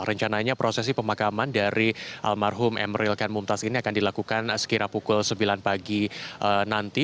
rencananya prosesi pemakaman dari almarhum emeril kan mumtaz ini akan dilakukan sekira pukul sembilan pagi nanti